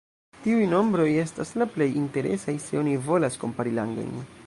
Tiuj nombroj estas la plej interesaj, se oni volas kompari landojn.